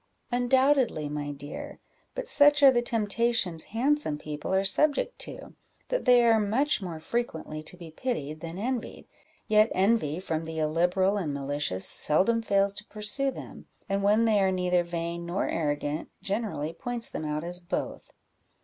"Undoubtedly, my dear; but such are the temptations handsome people are subject to, that they are much more frequently to be pitied than envied; yet envy from the illiberal and malicious seldom fails to pursue them; and when they are neither vain nor arrogant, generally points them out as both."